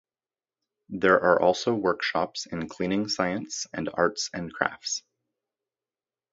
There are also workshops in Cleaning Science and Arts and Crafts.